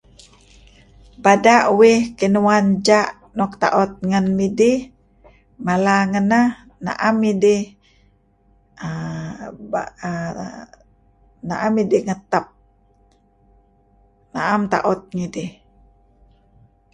Bada' uih kinuan ja' nuk taut ngen midih mala ngeneh am uhm idih uhm ngetep. Naem taut ngidih.